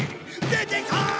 出てこい！